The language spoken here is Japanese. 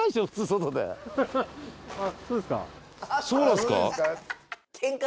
そうなんですか？